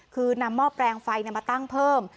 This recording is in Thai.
คือนำหม้อแปลงไฟมาตั้งเพิ่ม